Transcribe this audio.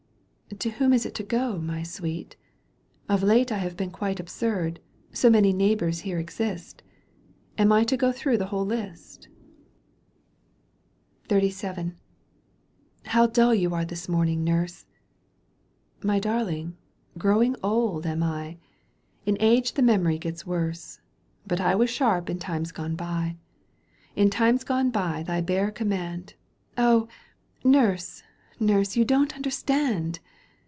" To whom is it to go, my sweet ? Of late I have been quite absurd, — So щапу neighbours here exist — Am I to go through the whole list V XXXVII. " How duU you are this morning, nurse V* " My darling, growing old am I ! In age the memory gets worse. But I was sharp in times gone by. In times gone by thy bare command "" Oh ! nurse, nurse, you don't understand